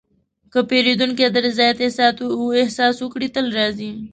که پیرودونکی د رضایت احساس وکړي، تل راځي.